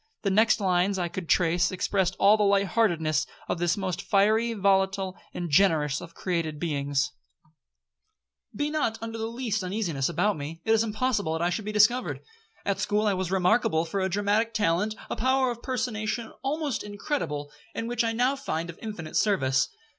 The next lines that I could trace, expressed all the light heartedness of this most fiery, volatile, and generous of created beings. 'Be not under the least uneasiness about me, it is impossible that I should be discovered. At school I was remarkable for a dramatic talent, a power of personation almost incredible, and which I now find of infinite service.